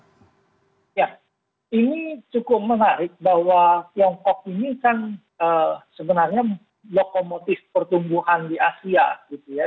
ya ini cukup menarik bahwa tiongkok ini kan sebenarnya lokomotif pertumbuhan di asia gitu ya